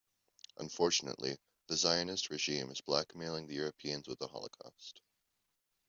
Unfortunately, the Zionist regime is blackmailing the Europeans with the Holocaust.